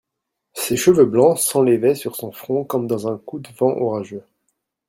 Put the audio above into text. Ses cheveux blancs s'enlévaient sur son front comme dans un coup de vent orageux.